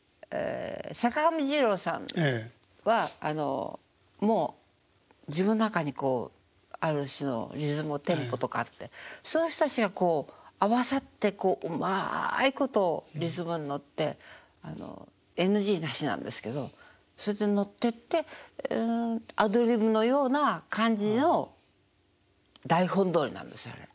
坂上二郎さんはあのもう自分の中にこうある種のリズムテンポとかあってそういう人たちがこう合わさってうまいことリズムに乗ってＮＧなしなんですけどそれで乗ってってアドリブのような感じの台本どおりなんですよあれ。